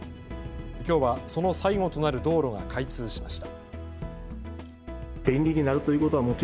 きょうはその最後となる道路が開通しました。